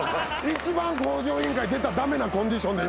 一番『向上委員会』出たら駄目なコンディションで。